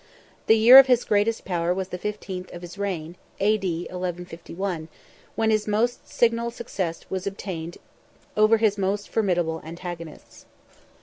The year of his greatest power was the fifteenth of his reign (A.D. 1151), when his most signal success was obtained over his most formidable antagonists.